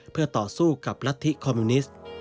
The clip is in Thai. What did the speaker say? เพื่อต่อสู้กับรัฐธิคอมมิวนิสต์